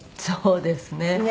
そうですね。